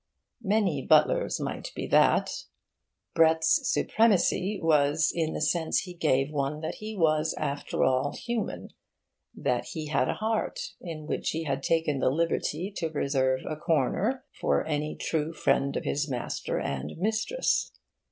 Many butlers might be that. Brett's supremacy was in the sense he gave one that he was, after all, human that he had a heart, in which he had taken the liberty to reserve a corner for any true friend of his master and mistress.